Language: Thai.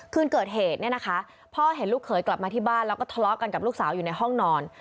คืนเกิดเหตุเนี่ยนะคะพ่อเห็นลูกเขยกลับมาที่บ้านแล้วก็ทะเลาะกันกับลูกสาวอยู่ในห้องนอน